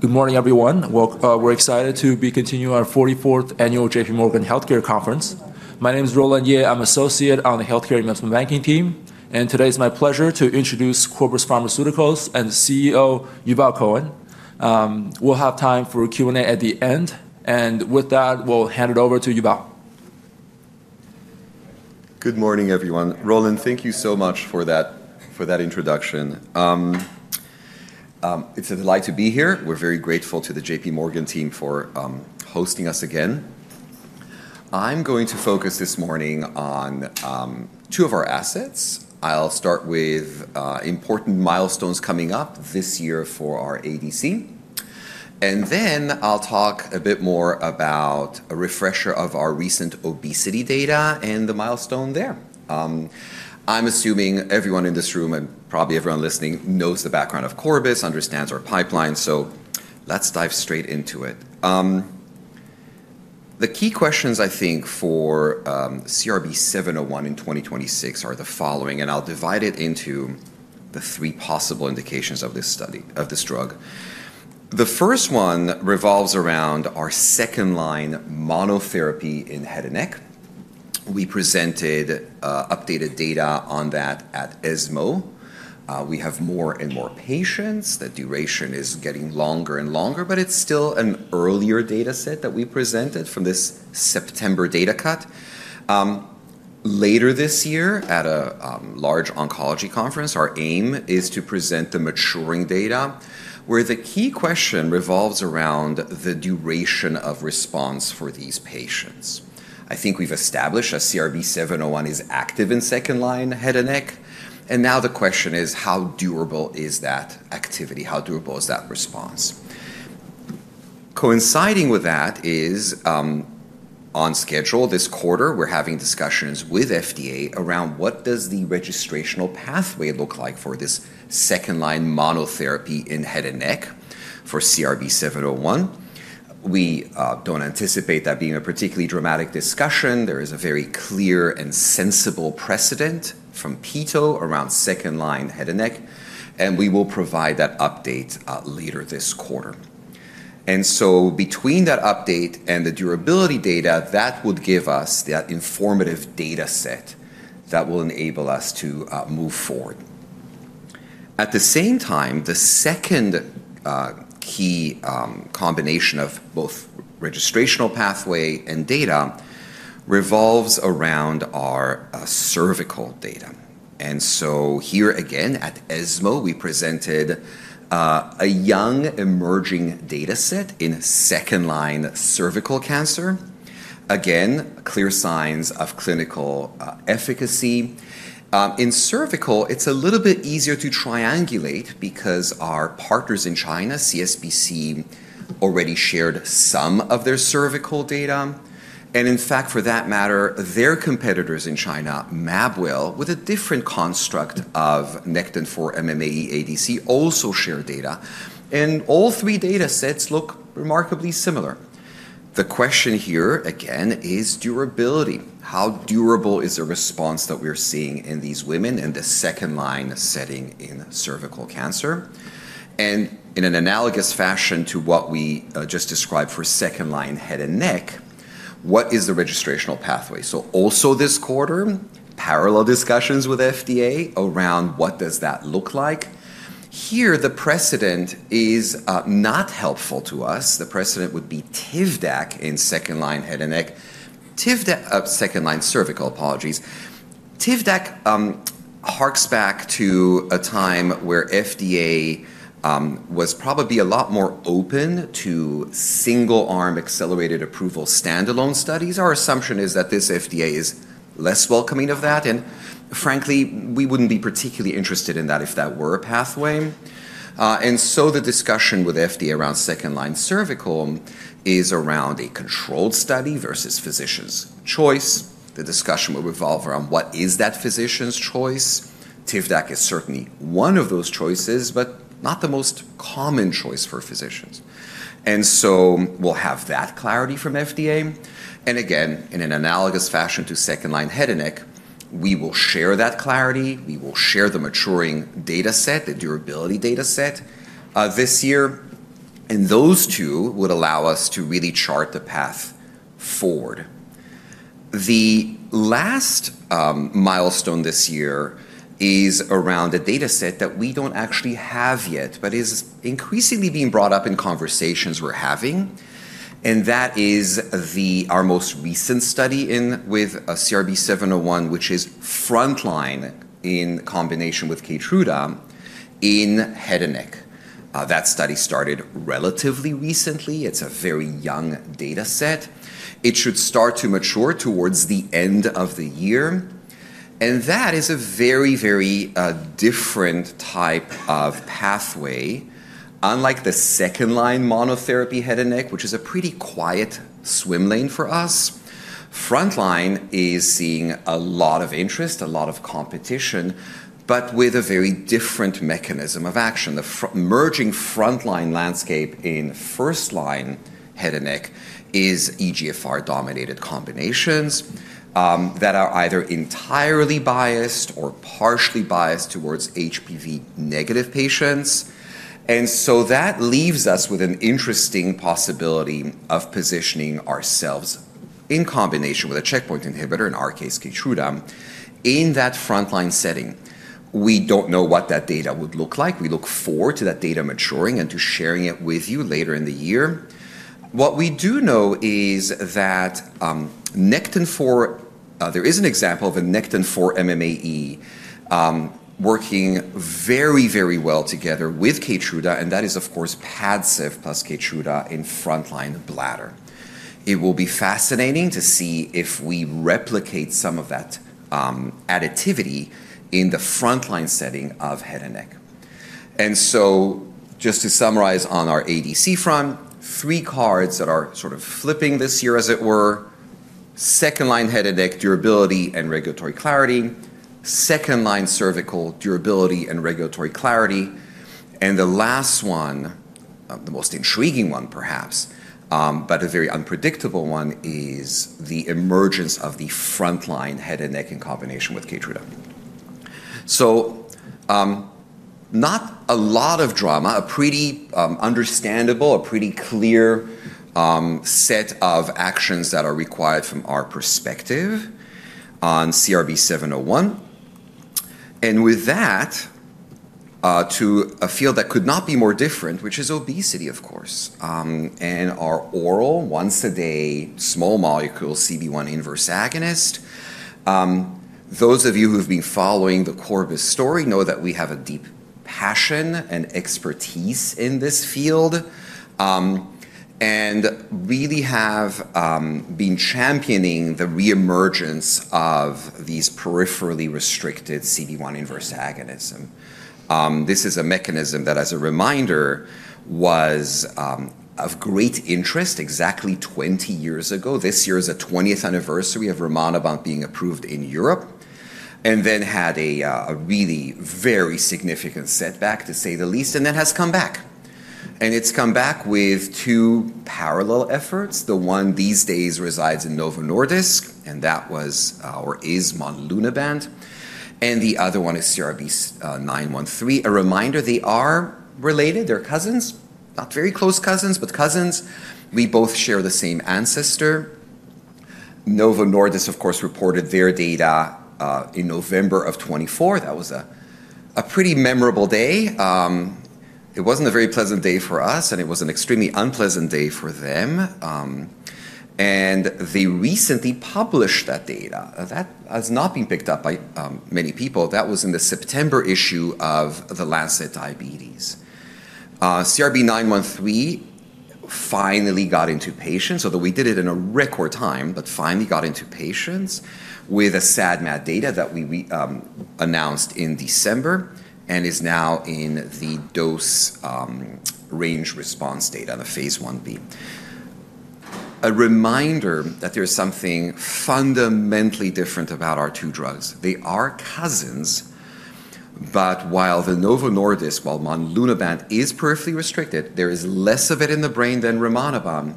Good morning, everyone. We're excited to be continuing our 44th annual JPMorgan Healthcare Conference. My name is Roland Ye. I'm an associate on the Healthcare Investment Banking team. And today it's my pleasure to introduce Corbus Pharmaceuticals and CEO Yuval Cohen. We'll have time for Q&A at the end. And with that, we'll hand it over to Yuval. Good morning, everyone. Roland, thank you so much for that introduction. It's a delight to be here. We're very grateful to the JPMorgan team for hosting us again. I'm going to focus this morning on two of our assets. I'll start with important milestones coming up this year for our ADC. Then I'll talk a bit more about a refresher of our recent obesity data and the milestone there. I'm assuming everyone in this room and probably everyone listening knows the background of Corbus, understands our pipeline. So let's dive straight into it. The key questions, I think, for CRB-701 in 2026 are the following. I'll divide it into the three possible indications of this drug. The first one revolves around our second-line monotherapy in head and neck. We presented updated data on that at ESMO. We have more and more patients. The duration is getting longer and longer. But it's still an earlier data set that we presented from this September data cut. Later this year at a large oncology conference, our aim is to present the maturing data, where the key question revolves around the duration of response for these patients. I think we've established that CRB-701 is active in second-line head and neck. And now the question is, how durable is that activity? How durable is that response? Coinciding with that is, on schedule, this quarter, we're having discussions with FDA around what does the registrational pathway look like for this second-line monotherapy in head and neck for CRB-701. We don't anticipate that being a particularly dramatic discussion. There is a very clear and sensible precedent from petosemtamab around second-line head and neck. And we will provide that update later this quarter. And so between that update and the durability data, that would give us that informative data set that will enable us to move forward. At the same time, the second key combination of both registrational pathway and data revolves around our cervical data. And so here again, at ESMO, we presented a young emerging data set in second-line cervical cancer. Again, clear signs of clinical efficacy. In cervical, it's a little bit easier to triangulate because our partners in China, CSPC, already shared some of their cervical data. And in fact, for that matter, their competitors in China, Mabwell, with a different construct of Nectin-4 MMAE ADC, also share data. And all three data sets look remarkably similar. The question here, again, is durability. How durable is the response that we're seeing in these women in the second-line setting in cervical cancer? In an analogous fashion to what we just described for second-line head and neck, what is the registrational pathway? Also this quarter, parallel discussions with FDA around what does that look like. Here, the precedent is not helpful to us. The precedent would be Tivdak in second-line head and neck. Tivdak, second-line cervical, apologies. Tivdak harks back to a time where FDA was probably a lot more open to single-arm accelerated approval standalone studies. Our assumption is that this FDA is less welcoming of that. Frankly, we wouldn't be particularly interested in that if that were a pathway. The discussion with FDA around second-line cervical is around a controlled study versus physician's choice. The discussion will revolve around what is that physician's choice. Tivdak is certainly one of those choices, but not the most common choice for physicians. And so we'll have that clarity from FDA. And again, in an analogous fashion to second-line head and neck, we will share that clarity. We will share the maturing data set, the durability data set, this year. And those two would allow us to really chart the path forward. The last milestone this year is around a data set that we don't actually have yet, but is increasingly being brought up in conversations we're having. And that is our most recent study with CRB-701, which is front-line in combination with Keytruda in head and neck. That study started relatively recently. It's a very young data set. It should start to mature towards the end of the year. And that is a very, very different type of pathway. Unlike the second-line monotherapy head and neck, which is a pretty quiet swim lane for us, first-line is seeing a lot of interest, a lot of competition, but with a very different mechanism of action. The emerging first-line landscape in first-line head and neck is EGFR-dominated combinations that are either entirely biased or partially biased towards HPV-negative patients, and so that leaves us with an interesting possibility of positioning ourselves in combination with a checkpoint inhibitor, in our case, Keytruda, in that first-line setting. We don't know what that data would look like. We look forward to that data maturing and to sharing it with you later in the year. What we do know is that Nectin-4, there is an example of a Nectin-4 MMAE working very, very well together with Keytruda, and that is, of course, Padcev plus Keytruda in first-line bladder. It will be fascinating to see if we replicate some of that additivity in the front-line setting of head and neck, and so just to summarize on our ADC front, three cards that are sort of flipping this year, as it were. Second-line head and neck, durability and regulatory clarity. Second-line cervical, durability and regulatory clarity, and the last one, the most intriguing one, perhaps, but a very unpredictable one, is the emergence of the front-line head and neck in combination with Keytruda, so not a lot of drama, a pretty understandable, a pretty clear set of actions that are required from our perspective on CRB-701, and with that, to a field that could not be more different, which is obesity, of course, and our oral once-a-day small molecule CB1 inverse agonist. Those of you who've been following the Corbus story know that we have a deep passion and expertise in this field and really have been championing the reemergence of these peripherally restricted CB1 inverse agonism. This is a mechanism that, as a reminder, was of great interest exactly 20 years ago. This year is the 20th anniversary of rimonabant being approved in Europe, and then had a really very significant setback, to say the least, and then has come back, and it's come back with two parallel efforts. The one these days resides in Novo Nordisk, and that was or is monlunabant. And the other one is CRB-913. A reminder, they are related. They're cousins, not very close cousins, but cousins. We both share the same ancestor. Novo Nordisk, of course, reported their data in November of 2024. That was a pretty memorable day. It wasn't a very pleasant day for us, and it was an extremely unpleasant day for them, and they recently published that data. That has not been picked up by many people. That was in the September issue of The Lancet Diabetes. CRB-913 finally got into patients, although we did it in a record time, but finally got into patients with a SAD/MAD data that we announced in December and is now in the dose range response data in the phase 1B. A reminder that there is something fundamentally different about our two drugs. They are cousins, but while the Novo Nordisk, while monlunabant is peripherally restricted, there is less of it in the brain than rimonabant.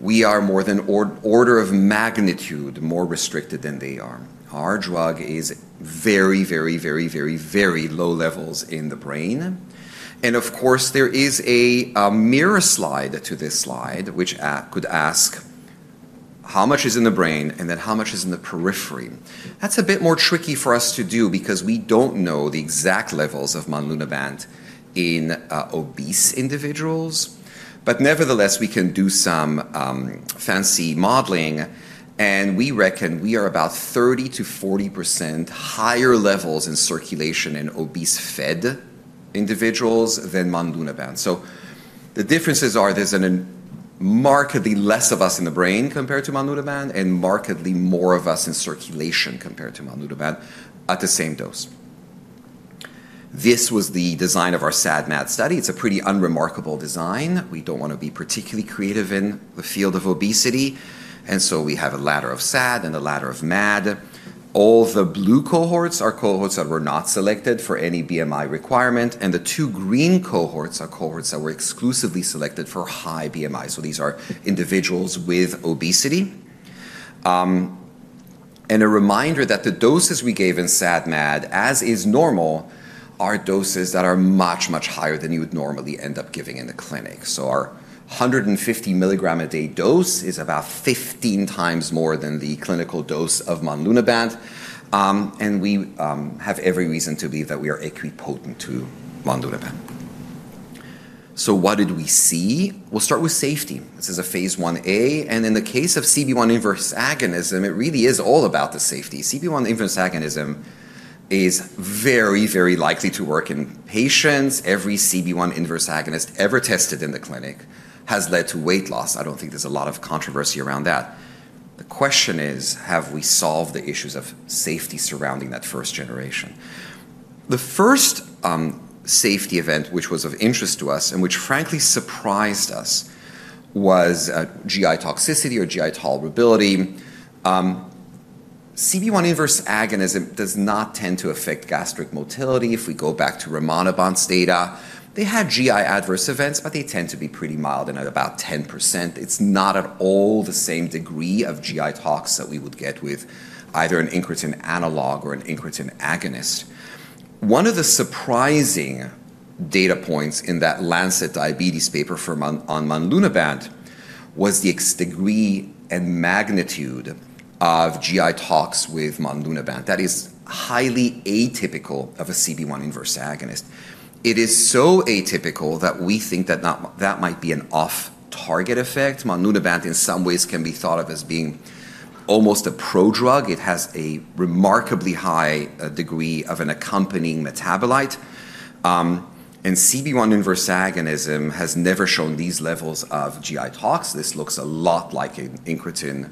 We are more than an order of magnitude more restricted than they are. Our drug is very, very, very, very, very low levels in the brain. Of course, there is a mirror slide to this slide, which could ask how much is in the brain and then how much is in the periphery. That's a bit more tricky for us to do because we don't know the exact levels of monlunabant in obese individuals. Nevertheless, we can do some fancy modeling. We reckon we are about 30%-40% higher levels in circulation in obese individuals than monlunabant. The differences are there's markedly less of us in the brain compared to monlunabant and markedly more of us in circulation compared to monlunabant at the same dose. This was the design of our SAD/MAD study. It's a pretty unremarkable design. We don't want to be particularly creative in the field of obesity. We have a ladder of SAD and a ladder of MAD. All the blue cohorts are cohorts that were not selected for any BMI requirement. And the two green cohorts are cohorts that were exclusively selected for high BMI. So these are individuals with obesity. And a reminder that the doses we gave in SAD/MAD, as is normal, are doses that are much, much higher than you would normally end up giving in the clinic. So our 150 milligram a day dose is about 15 times more than the clinical dose of monlunabant. And we have every reason to believe that we are equipotent to monlunabant. So what did we see? We'll start with safety. This is a phase 1A. And in the case of CB1 inverse agonism, it really is all about the safety. CB1 inverse agonism is very, very likely to work in patients. Every CB1 inverse agonist ever tested in the clinic has led to weight loss. I don't think there's a lot of controversy around that. The question is, have we solved the issues of safety surrounding that first generation? The first safety event, which was of interest to us and which frankly surprised us, was GI toxicity or GI tolerability. CB1 inverse agonism does not tend to affect gastric motility. If we go back to rimonabant's data, they had GI adverse events, but they tend to be pretty mild and at about 10%. It's not at all the same degree of GI tox that we would get with either an incretin analog or an incretin agonist. One of the surprising data points in that Lancet Diabetes paper on monlunabant was the degree and magnitude of GI tox with monlunabant. That is highly atypical of a CB1 inverse agonist. It is so atypical that we think that that might be an off-target effect. Monlunabant, in some ways, can be thought of as being almost a pro-drug. It has a remarkably high degree of an accompanying metabolite, and CB1 inverse agonism has never shown these levels of GI tox. This looks a lot like an incretin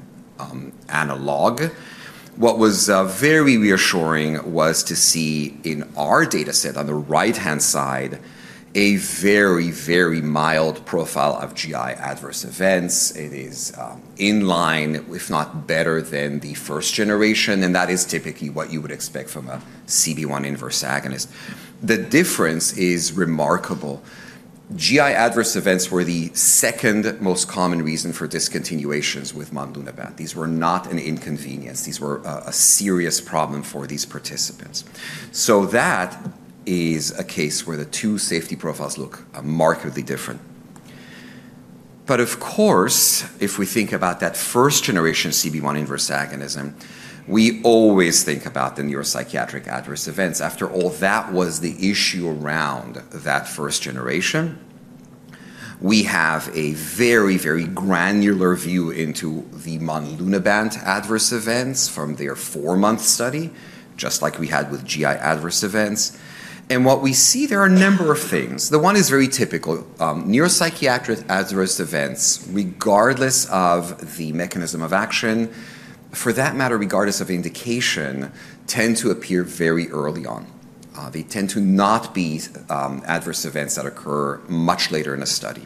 analog. What was very reassuring was to see in our data set on the right-hand side a very, very mild profile of GI adverse events. It is in line, if not better, than the first generation, and that is typically what you would expect from a CB1 inverse agonist. The difference is remarkable. GI adverse events were the second most common reason for discontinuations with monlunabant. These were not an inconvenience. These were a serious problem for these participants, so that is a case where the two safety profiles look markedly different. But of course, if we think about that first generation CB1 inverse agonism, we always think about the neuropsychiatric adverse events. After all, that was the issue around that first generation. We have a very, very granular view into the monlunabant adverse events from their four-month study, just like we had with GI adverse events. And what we see, there are a number of things. The one is very typical. Neuropsychiatric adverse events, regardless of the mechanism of action, for that matter, regardless of indication, tend to appear very early on. They tend to not be adverse events that occur much later in a study.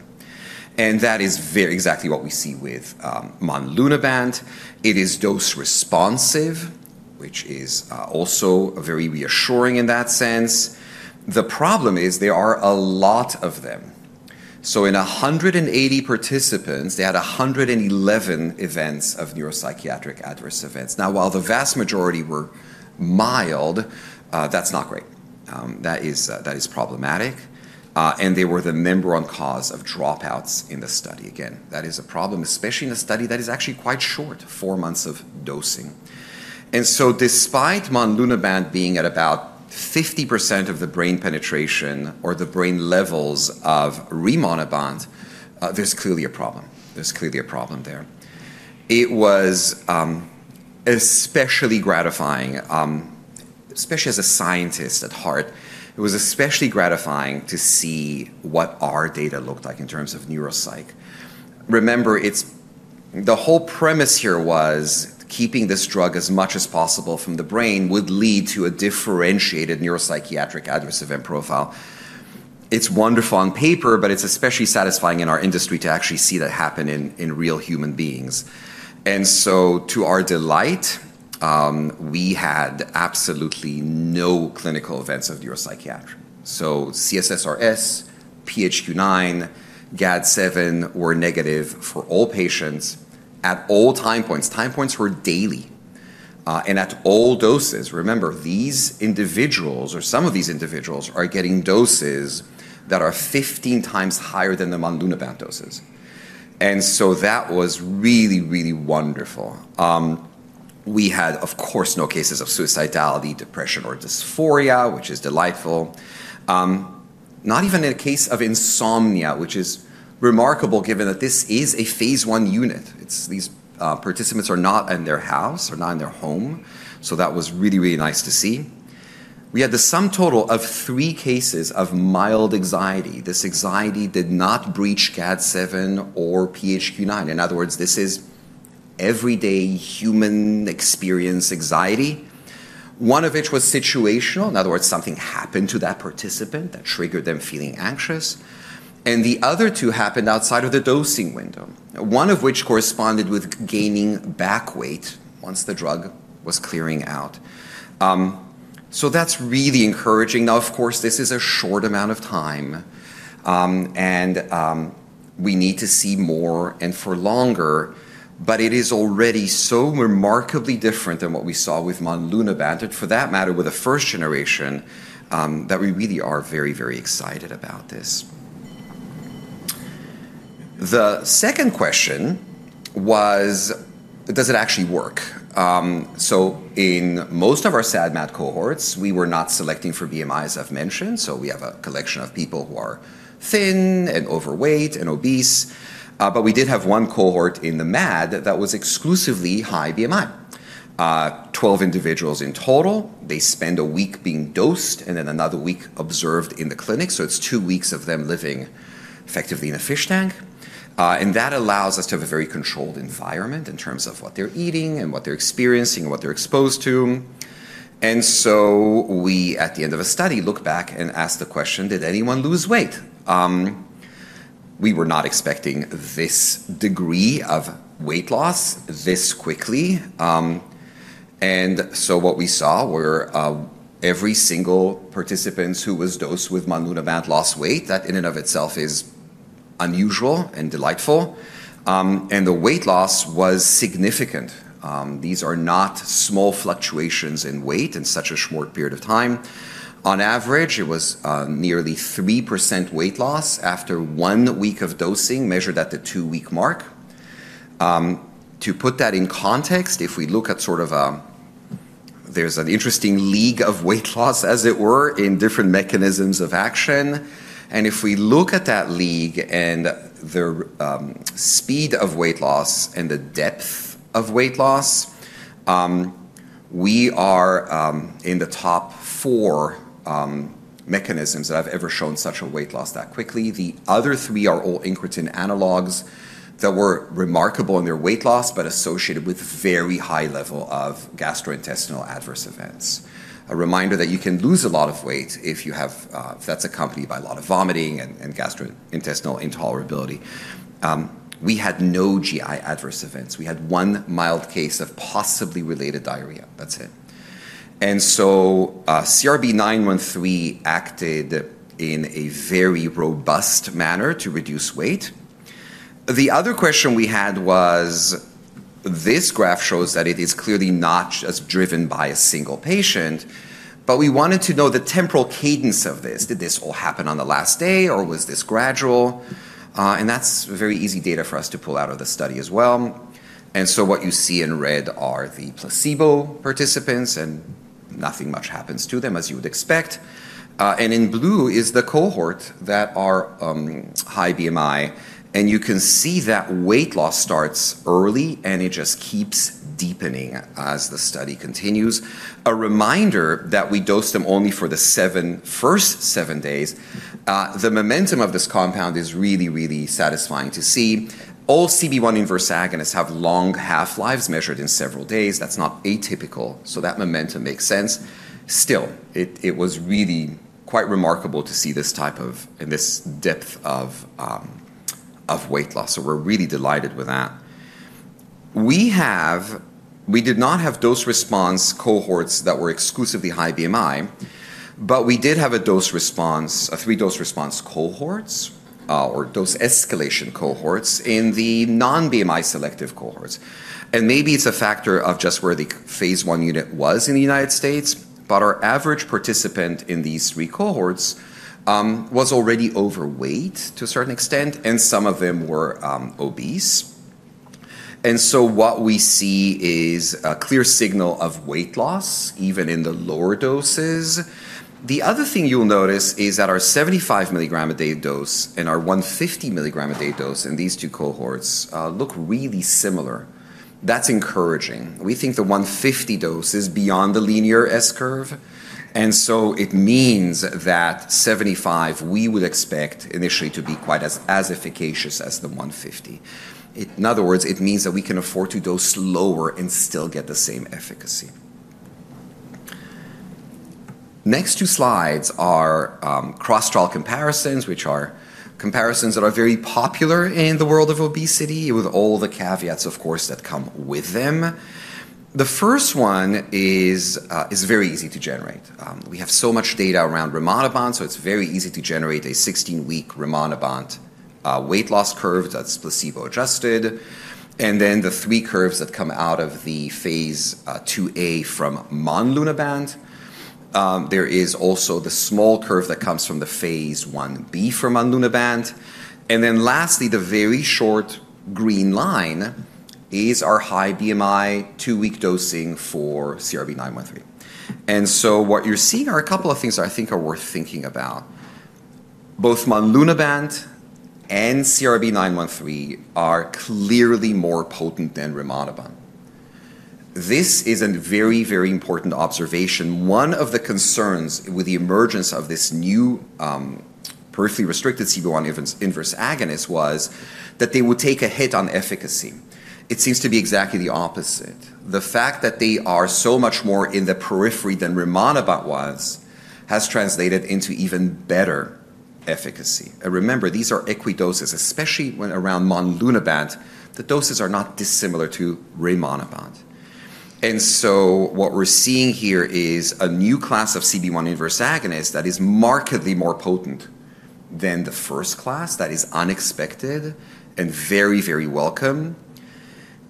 And that is exactly what we see with monlunabant. It is dose responsive, which is also very reassuring in that sense. The problem is there are a lot of them. So in 180 participants, they had 111 events of neuropsychiatric adverse events. Now, while the vast majority were mild, that's not great. That is problematic, and they were the number one cause of dropouts in the study. Again, that is a problem, especially in a study that is actually quite short, four months of dosing, and so despite monlunabant being at about 50% of the brain penetration or the brain levels of rimonabant, there's clearly a problem. There's clearly a problem there. It was especially gratifying, especially as a scientist at heart. It was especially gratifying to see what our data looked like in terms of neuropsych. Remember, the whole premise here was keeping this drug as much as possible from the brain would lead to a differentiated neuropsychiatric adverse event profile. It's wonderful on paper, but it's especially satisfying in our industry to actually see that happen in real human beings. And so to our delight, we had absolutely no clinical events of neuropsychiatry. So C-SSRS, PHQ-9, GAD-7 were negative for all patients at all time points. Time points were daily. And at all doses, remember, these individuals or some of these individuals are getting doses that are 15 times higher than the monlunabant doses. And so that was really, really wonderful. We had, of course, no cases of suicidality, depression, or dysphoria, which is delightful. Not even a case of insomnia, which is remarkable given that this is a phase one unit. These participants are not in their house or not in their home. So that was really, really nice to see. We had the sum total of three cases of mild anxiety. This anxiety did not breach GAD-7 or PHQ-9. In other words, this is everyday human experience anxiety, one of which was situational. In other words, something happened to that participant that triggered them feeling anxious. And the other two happened outside of the dosing window, one of which corresponded with gaining back weight once the drug was clearing out. So that's really encouraging. Now, of course, this is a short amount of time, and we need to see more and for longer, but it is already so remarkably different than what we saw with monlunabant, and for that matter, with the first generation, that we really are very, very excited about this. The second question was, does it actually work? So in most of our SAD/MAD cohorts, we were not selecting for BMI, as I've mentioned. So we have a collection of people who are thin and overweight and obese. But we did have one cohort in the MAD that was exclusively high BMI, 12 individuals in total. They spend a week being dosed and then another week observed in the clinic. So it's two weeks of them living effectively in a fish tank. And that allows us to have a very controlled environment in terms of what they're eating and what they're experiencing and what they're exposed to. And so we, at the end of a study, look back and ask the question, did anyone lose weight? We were not expecting this degree of weight loss this quickly. And so what we saw were every single participant who was dosed with monlunabant lost weight. That in and of itself is unusual and delightful. And the weight loss was significant. These are not small fluctuations in weight in such a short period of time. On average, it was nearly 3% weight loss after one week of dosing measured at the two-week mark. To put that in context, if we look at sort of a, there's an interesting league of weight loss, as it were, in different mechanisms of action. And if we look at that league and the speed of weight loss and the depth of weight loss, we are in the top four mechanisms that have ever shown such a weight loss that quickly. The other three are all incretin analogs that were remarkable in their weight loss, but associated with very high level of gastrointestinal adverse events. A reminder that you can lose a lot of weight if that's accompanied by a lot of vomiting and gastrointestinal intolerability. We had no GI adverse events. We had one mild case of possibly related diarrhea. That's it. And so CRB-913 acted in a very robust manner to reduce weight. The other question we had was, this graph shows that it is clearly not just driven by a single patient, but we wanted to know the temporal cadence of this. Did this all happen on the last day, or was this gradual? And that's very easy data for us to pull out of the study as well. And so what you see in red are the placebo participants, and nothing much happens to them, as you would expect. And in blue is the cohort that are high BMI. And you can see that weight loss starts early, and it just keeps deepening as the study continues. A reminder that we dosed them only for the first seven days. The momentum of this compound is really, really satisfying to see. All CB1 inverse agonists have long half-lives measured in several days. That's not atypical. So that momentum makes sense. Still, it was really quite remarkable to see this type of, and this depth of weight loss. So we're really delighted with that. We did not have dose response cohorts that were exclusively high BMI, but we did have a dose response, a three-dose response cohorts or dose escalation cohorts in the non-BMI selective cohorts. And maybe it's a factor of just where the phase 1 unit was in the United States, but our average participant in these three cohorts was already overweight to a certain extent, and some of them were obese. And so what we see is a clear signal of weight loss, even in the lower doses. The other thing you'll notice is that our 75 milligram a day dose and our 150 milligram a day dose in these two cohorts look really similar. That's encouraging. We think the 150 dose is beyond the linear S curve. It means that 75, we would expect initially to be quite as efficacious as the 150. In other words, it means that we can afford to dose slower and still get the same efficacy. The next two slides are cross-trial comparisons, which are comparisons that are very popular in the world of obesity, with all the caveats, of course, that come with them. The first one is very easy to generate. We have so much data around rimonabant, so it's very easy to generate a 16-week rimonabant weight loss curve that's placebo-adjusted. Then the three curves that come out of the phase 2A from monlunabant. There is also the small curve that comes from the phase 1B from monlunabant. Then lastly, the very short green line is our high BMI two-week dosing for CRB-913. And so what you're seeing are a couple of things that I think are worth thinking about. Both monlunabant and CRB-913 are clearly more potent than rimonabant. This is a very, very important observation. One of the concerns with the emergence of this new peripherally restricted CB1 inverse agonist was that they would take a hit on efficacy. It seems to be exactly the opposite. The fact that they are so much more in the periphery than rimonabant was has translated into even better efficacy. And remember, these are equivalent doses, especially when around monlunabant, the doses are not dissimilar to rimonabant. And so what we're seeing here is a new class of CB1 inverse agonist that is markedly more potent than the first class. That is unexpected and very, very welcome.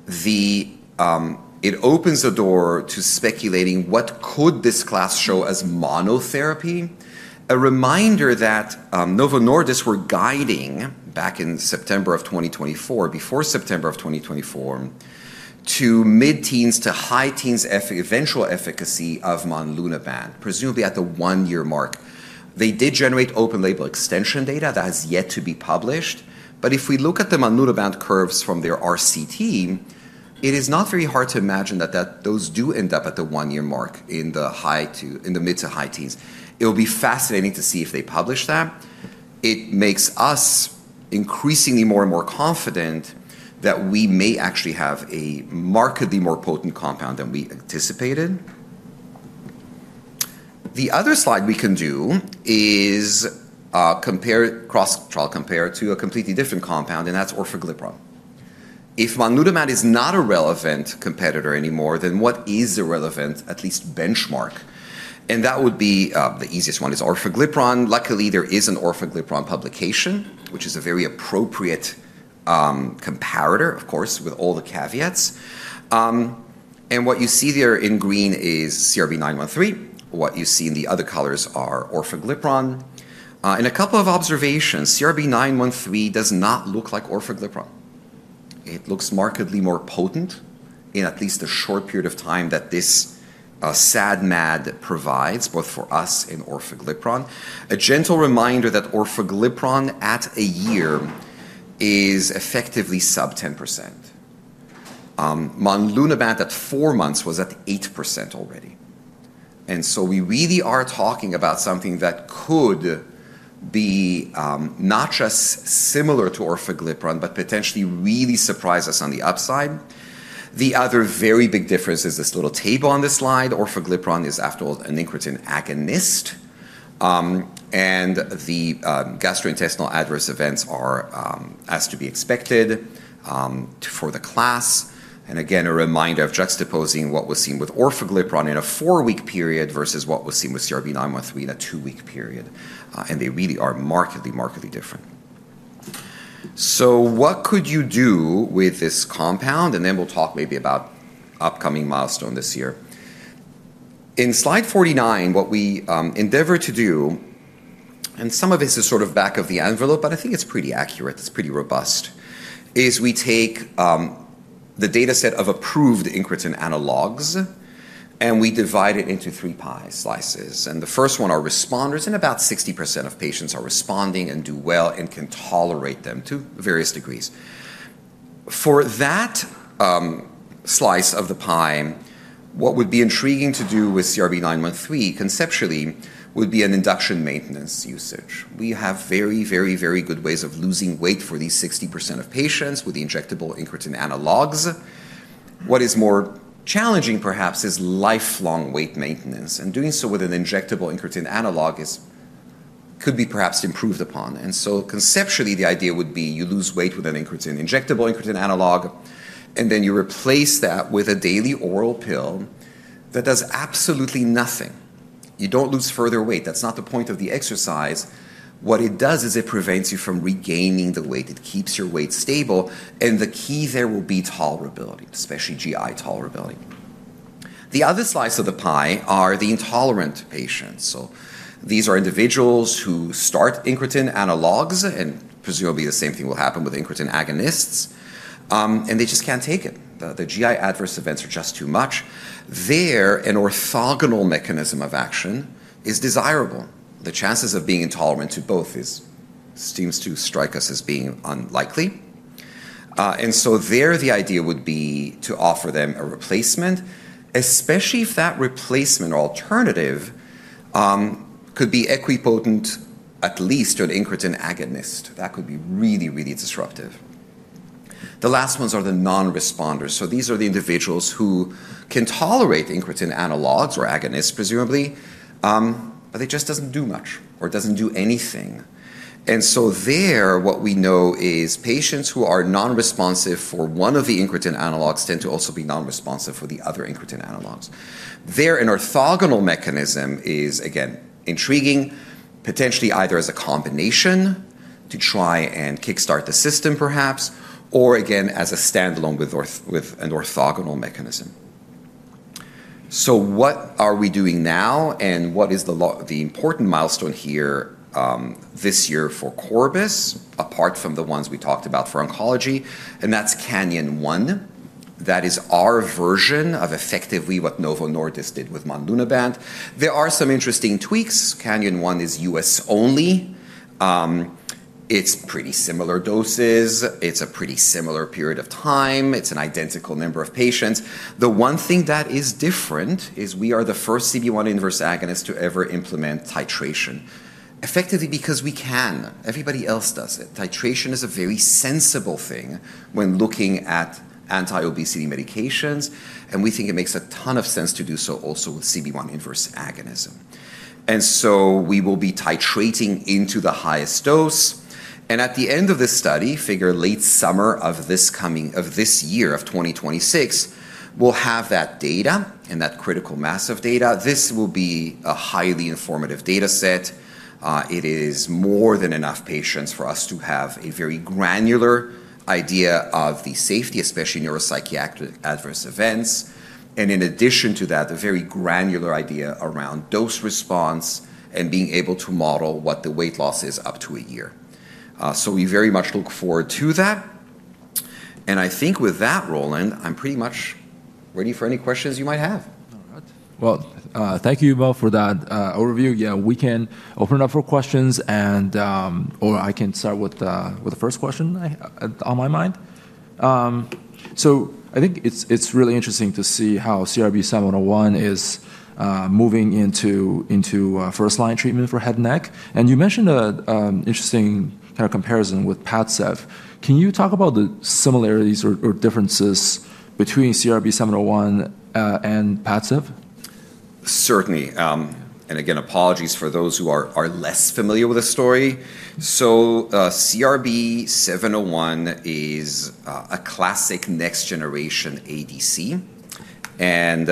It opens the door to speculating what could this class show as monotherapy. A reminder that Novo Nordisk were guiding back in September of 2024, before September of 2024, to mid-teens to high-teens eventual efficacy of monlunabant, presumably at the one-year mark. They did generate open-label extension data that has yet to be published, but if we look at the monlunabant curves from their RCT, it is not very hard to imagine that those do end up at the one-year mark in the mid to high-teens. It will be fascinating to see if they publish that. It makes us increasingly more and more confident that we may actually have a markedly more potent compound than we anticipated. The other slide we can do is cross-compare to a completely different compound, and that's orforglipron. If monlunabant is not a relevant competitor anymore, then what is a relevant, at least benchmark, and that would be the easiest one is orforglipron. Luckily, there is an orforglipron publication, which is a very appropriate comparator, of course, with all the caveats. And what you see there in green is CRB-913. What you see in the other colors are orforglipron. And a couple of observations. CRB-913 does not look like orforglipron. It looks markedly more potent in at least a short period of time that this SAD/MAD provides, both for us and orforglipron. A gentle reminder that orforglipron at a year is effectively sub 10%. Monlunabant at four months was at 8% already. And so we really are talking about something that could be not just similar to orforglipron, but potentially really surprise us on the upside. The other very big difference is this little table on the slide. orforglipron is, after all, an incretin agonist. And the gastrointestinal adverse events are as to be expected for the class. Again, a reminder of juxtaposing what was seen with orforglipron in a four-week period versus what was seen with CRB-913 in a two-week period. They really are markedly, markedly different. What could you do with this compound? Then we'll talk maybe about upcoming milestone this year. In slide 49, what we endeavor to do, and some of this is sort of back of the envelope, but I think it's pretty accurate. It's pretty robust, is we take the dataset of approved incretin analogs, and we divide it into three pie slices. The first one are responders, and about 60% of patients are responding and do well and can tolerate them to various degrees. For that slice of the pie, what would be intriguing to do with CRB-913 conceptually would be an induction maintenance usage. We have very, very, very good ways of losing weight for these 60% of patients with the injectable incretin analogs. What is more challenging, perhaps, is lifelong weight maintenance, and doing so with an injectable incretin analog could be perhaps improved upon, and so conceptually, the idea would be you lose weight with an injectable incretin analog, and then you replace that with a daily oral pill that does absolutely nothing. You don't lose further weight. That's not the point of the exercise. What it does is it prevents you from regaining the weight. It keeps your weight stable, and the key there will be tolerability, especially GI tolerability. The other slice of the pie are the intolerant patients. So these are individuals who start incretin analogs, and presumably the same thing will happen with incretin agonists, and they just can't take it. The GI adverse events are just too much. There, an orthogonal mechanism of action is desirable. The chances of being intolerant to both seems to strike us as being unlikely, and so there, the idea would be to offer them a replacement, especially if that replacement or alternative could be equipotent at least to an incretin agonist. That could be really, really disruptive. The last ones are the non-responders, so these are the individuals who can tolerate incretin analogs or agonists, presumably, but it just doesn't do much or doesn't do anything, and so there, what we know is patients who are non-responsive for one of the incretin analogs tend to also be non-responsive for the other incretin analogs. There, an orthogonal mechanism is, again, intriguing, potentially either as a combination to try and kickstart the system, perhaps, or again, as a standalone with an orthogonal mechanism. So what are we doing now, and what is the important milestone here this year for Corbus, apart from the ones we talked about for oncology? And that's CRB-913. That is our version of effectively what Novo Nordisk did with monlunabant. There are some interesting tweaks. CRB-913 is US only. It's pretty similar doses. It's a pretty similar period of time. It's an identical number of patients. The one thing that is different is we are the first CB1 inverse agonist to ever implement titration. Effectively because we can. Everybody else does it. Titration is a very sensible thing when looking at anti-obesity medications, and we think it makes a ton of sense to do so also with CB1 inverse agonism. And so we will be titrating into the highest dose. At the end of this study, figure late summer of this year of 2026, we'll have that data and that critical mass of data. This will be a highly informative dataset. It is more than enough patients for us to have a very granular idea of the safety, especially neuropsychiatric adverse events. In addition to that, the very granular idea around dose response and being able to model what the weight loss is up to a year. We very much look forward to that. I think with that, Roland, I'm pretty much ready for any questions you might have. All right. Well, thank you both for that overview. Yeah, we can open it up for questions, or I can start with the first question on my mind. So I think it's really interesting to see how CRB-701 is moving into first-line treatment for head and neck. And you mentioned an interesting kind of comparison with Padcev. Can you talk about the similarities or differences between CRB-701 and Padcev? Certainly. And again, apologies for those who are less familiar with the story. So CRB-701 is a classic next-generation ADC. And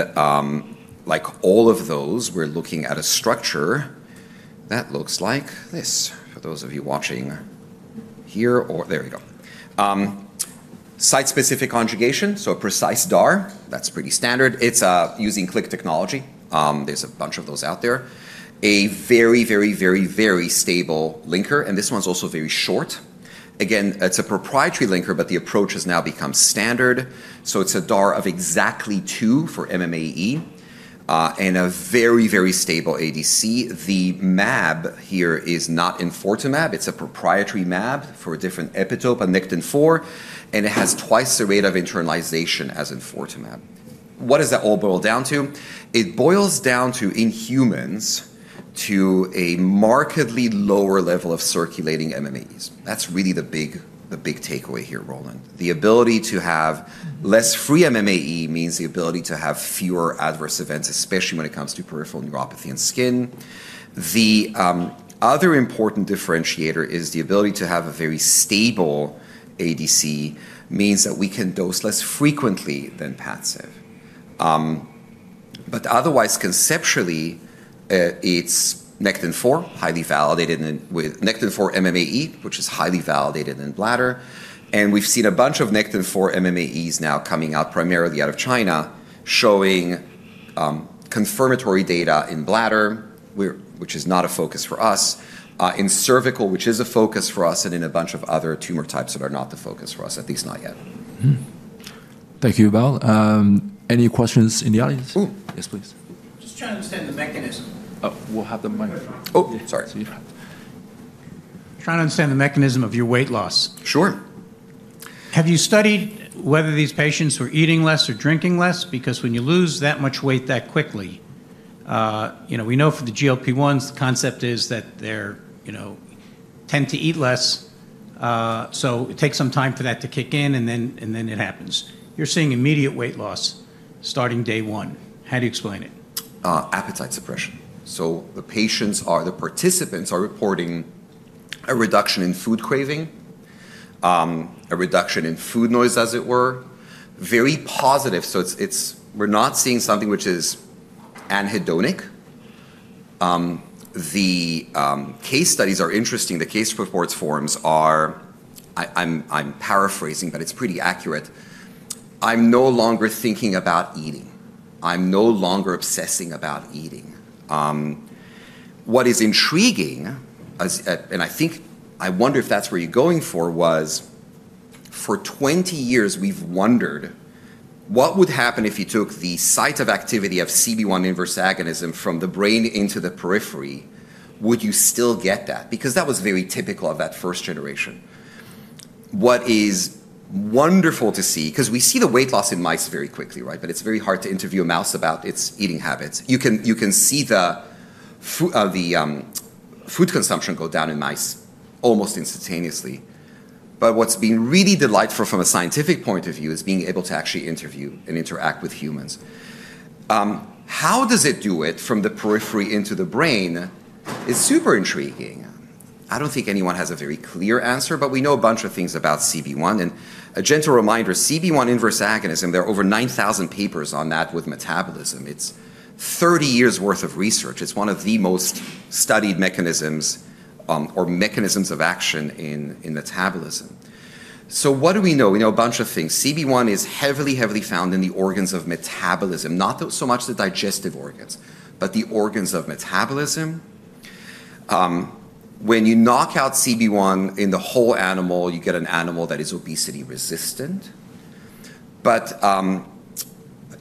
like all of those, we're looking at a structure that looks like this. For those of you watching here, there we go. Site-specific conjugation, so a precise DAR. That's pretty standard. It's using click technology. There's a bunch of those out there. A very, very, very, very stable linker. And this one's also very short. Again, it's a proprietary linker, but the approach has now become standard. So it's a DAR of exactly two for MMAE and a very, very stable ADC. The MAB here is not enfortumab. It's a proprietary MAB for a different epitope, a Nectin-4, and it has twice the rate of internalization as enfortumab. What does that all boil down to? It boils down to, in humans, to a markedly lower level of circulating MMAEs. That's really the big takeaway here, Roland. The ability to have less free MMAE means the ability to have fewer adverse events, especially when it comes to peripheral neuropathy and skin. The other important differentiator is the ability to have a very stable ADC means that we can dose less frequently than Padcev. But otherwise, conceptually, it's Nectin-4, highly validated with Nectin-4 MMAE, which is highly validated in bladder. And we've seen a bunch of Nectin-4 MMAEs now coming out primarily out of China showing confirmatory data in bladder, which is not a focus for us, in cervical, which is a focus for us, and in a bunch of other tumor types that are not the focus for us, at least not yet. Thank you, Yuval. Any questions in the audience? Yes, please. Just trying to understand the mechanism. Trying to understand the mechanism of your weight loss. Sure. Have you studied whether these patients were eating less or drinking less? Because when you lose that much weight that quickly, we know for the GLP-1s, the concept is that they tend to eat less. So it takes some time for that to kick in, and then it happens. You're seeing immediate weight loss starting day one. How do you explain it? Appetite suppression. So the participants are reporting a reduction in food craving, a reduction in food noise, as it were. Very positive. So we're not seeing something which is anhedonic. The case studies are interesting. The case report forms are. I'm paraphrasing, but it's pretty accurate. I'm no longer thinking about eating. I'm no longer obsessing about eating. What is intriguing, and I wonder if that's where you're going for, was for 20 years, we've wondered what would happen if you took the site of activity of CB1 inverse agonism from the brain into the periphery. Would you still get that? Because that was very typical of that first generation. What is wonderful to see, because we see the weight loss in mice very quickly, right? But it's very hard to interview a mouse about its eating habits. You can see the food consumption go down in mice almost instantaneously. What's been really delightful from a scientific point of view is being able to actually interview and interact with humans. How does it do it from the periphery into the brain is super intriguing. I don't think anyone has a very clear answer, but we know a bunch of things about CB1. And a gentle reminder, CB1 inverse agonism, there are over 9,000 papers on that with metabolism. It's 30 years' worth of research. It's one of the most studied mechanisms or mechanisms of action in metabolism. So what do we know? We know a bunch of things. CB1 is heavily, heavily found in the organs of metabolism, not so much the digestive organs, but the organs of metabolism. When you knock out CB1 in the whole animal, you get an animal that is obesity resistant.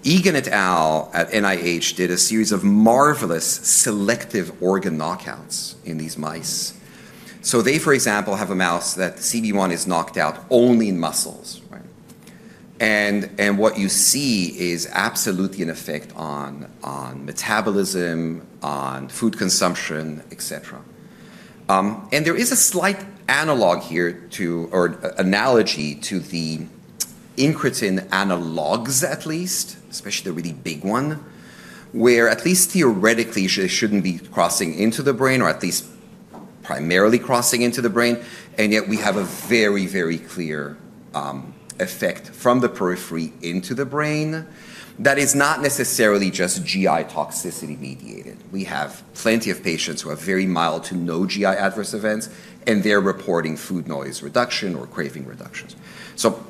Egan et al. At NIH did a series of marvelous selective organ knockouts in these mice. So they, for example, have a mouse that CB1 is knocked out only in muscles. And what you see is absolutely an effect on metabolism, on food consumption, etc. And there is a slight analog here or analogy to the incretin analogs, at least, especially the really big one, where at least theoretically, they shouldn't be crossing into the brain or at least primarily crossing into the brain. And yet we have a very, very clear effect from the periphery into the brain that is not necessarily just GI toxicity mediated. We have plenty of patients who have very mild to no GI adverse events, and they're reporting food noise reduction or craving reductions. So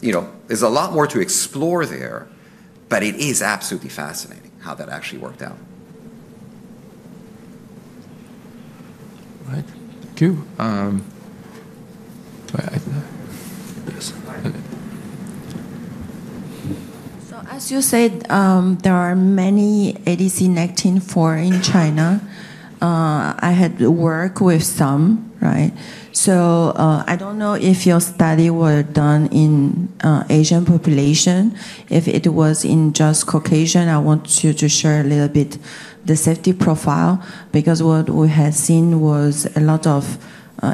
there's a lot more to explore there, but it is absolutely fascinating how that actually worked out. All right. Thank you. So as you said, there are many ADC Nectin-4 in China. I had worked with some, right? So I don't know if your study was done in the Asian population. If it was in just Caucasian, I want you to share a little bit of the safety profile because what we had seen was a lot of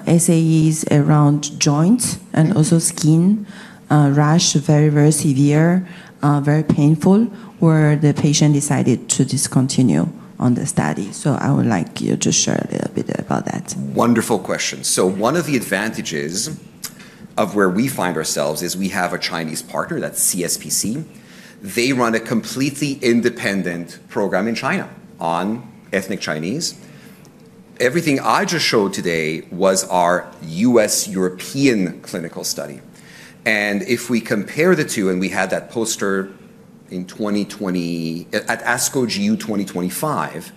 SAEs around joints and also skin rash, very, very severe, very painful, where the patient decided to discontinue the study. So I would like you to share a little bit about that. Wonderful question. So one of the advantages of where we find ourselves is we have a Chinese partner, that's CSPC. They run a completely independent program in China on ethnic Chinese. Everything I just showed today was our US-European clinical study. And if we compare the two, and we had that poster at ASCO GU 2025,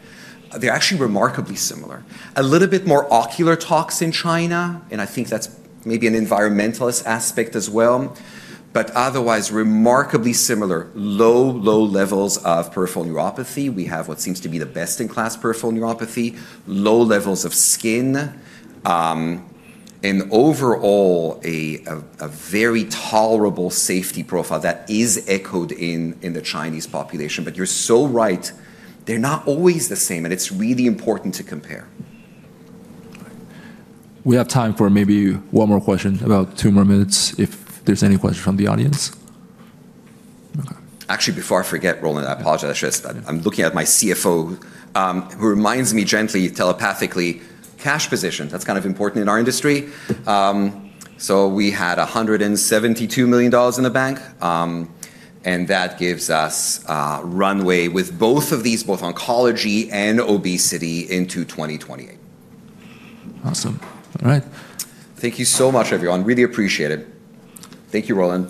they're actually remarkably similar. A little bit more ocular toxicity in China, and I think that's maybe an environmental aspect as well, but otherwise remarkably similar. Low, low levels of peripheral neuropathy. We have what seems to be the best-in-class peripheral neuropathy, low levels of skin, and overall a very tolerable safety profile that is echoed in the Chinese population. But you're so right. They're not always the same, and it's really important to compare. We have time for maybe one more question about two more minutes if there's any questions from the audience. Actually, before I forget, Roland, I apologize. I'm looking at my CFO, who reminds me gently, telepathically, cash positions. That's kind of important in our industry. So we had $172 million in the bank, and that gives us runway with both of these, both oncology and obesity, into 2028. Awesome. All right. Thank you so much, everyone. Really appreciate it. Thank you, Roland.